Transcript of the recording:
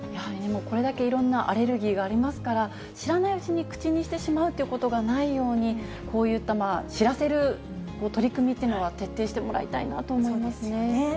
これだけいろんなアレルギーがありますから、知らないうちに口にしてしまうということがないように、こういった知らせる取り組みというのは、徹底してもらいたいなとそうですよね。